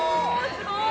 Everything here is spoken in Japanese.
すごーい！